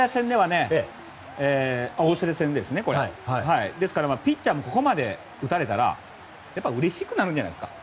オーストラリア戦ではですから、ピッチャーもここまで打たれたらやっぱりうれしくなるんじゃないですか？